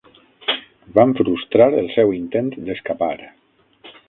Van frustrar el seu intent d'escapar.